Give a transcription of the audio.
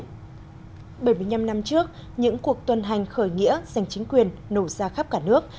bảy mươi năm năm trước những cuộc tuần hành khởi nghĩa giành chính quyền nổ ra khắp cả nước